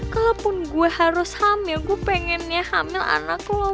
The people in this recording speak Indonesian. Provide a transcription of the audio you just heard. kalaupun gue harus hamil gue pengennya hamil anak lo